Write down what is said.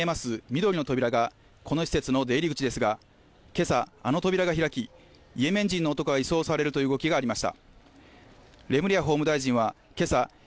緑の扉がこの施設の出入り口ですが今朝あの扉が開きイエメン人の男が移送されるという動きがありました